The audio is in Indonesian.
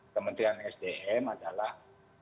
kementerian sdm adalah